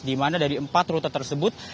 di mana dari empat rute tersebut